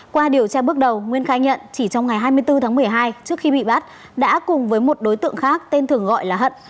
qua điều tra bước đầu nguyên khai nhận chỉ trong ngày hai mươi bốn tháng một mươi hai trước khi bị bắt đã cùng với một đối tượng khác tên thường gọi là hận